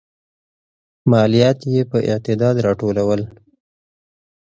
ماليات يې په اعتدال راټولول.